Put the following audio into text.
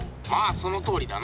そのとおりだな。